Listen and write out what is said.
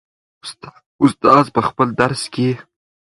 استاد په خپل درس کې.